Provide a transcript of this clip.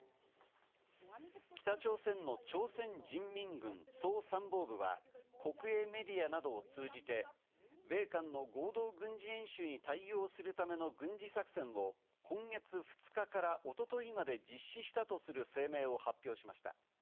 北朝鮮の朝鮮人民軍総参謀部は国営メディアなどを通じて米韓の合同軍事演習に対応するための軍事作戦を今月２日から一昨日まで実施したとする声明を発表しました。